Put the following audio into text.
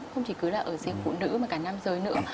không chỉ cứ là ở riêng phụ nữ mà cả nam giới nữa